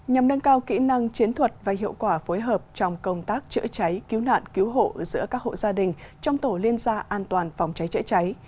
nhằm nâng cao kỹ năng chiến thuật và hiệu quả phối hợp trong công tác chữa cháy cứu nạn cứu hộ giữa các hộ gia đình trong tổ liên gia an toàn phòng cháy chữa cháy